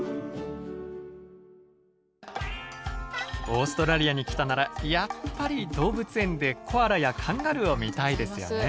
オーストラリアに来たならやっぱり動物園でコアラやカンガルーを見たいですよね。